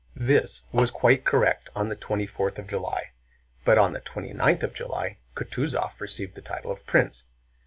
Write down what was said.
This was quite correct on the twenty fourth of July. But on the twenty ninth of July Kutúzov received the title of Prince.